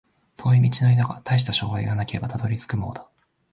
遠い道のりだが、たいした障害がなければたどり着くものだ